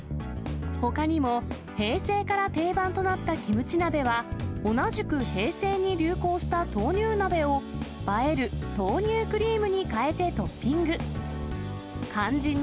ほかにも、平成から定番となったキムチ鍋は、同じく平成に流行した豆乳鍋を、映える豆乳クリームにかえてトッピング。